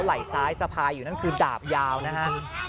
ไหล่ซ้ายสะพายอยู่นั่นคือดาบยาวนะฮะ